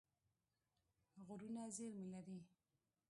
غرونه زېرمې لري.